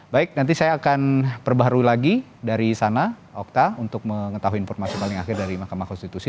baik nanti saya akan perbarui lagi dari sana okta untuk mengetahui informasi paling akhir dari mahkamah konstitusi